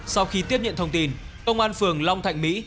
sau khi tiếp nhận thông tin công an phường long thạnh mỹ